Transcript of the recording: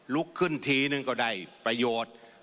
ลุกขึ้นทีนึงก็ได้ประโยชน์